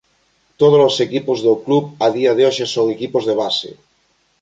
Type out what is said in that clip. Tódolos equipos do club a día de hoxe son equipos de base.